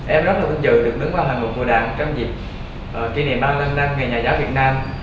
em rất là vinh dự được đứng vào hành động của đảng trong dịp kỷ niệm ba mươi năm năm ngày nhà giáo việt nam